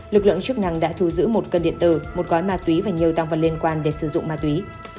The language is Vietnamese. lực lượng chức năng đã thu giữ một cân điện tử một gói ma túy và nhiều tăng vật liên quan để sử dụng ma túy